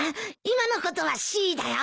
今のことはシーだよ。